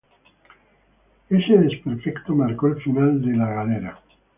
Ese desperfecto, marcó el final de La Galera.